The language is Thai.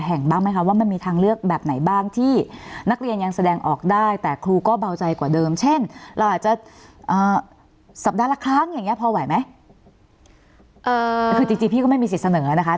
สัปดาห์ละครั้งอย่างเงี้ยพอไหวไหมเอ่อคือจริงจริงพี่ก็ไม่มีสิทธิ์เสนอนะคะ